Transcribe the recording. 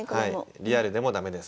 リアルでも駄目です。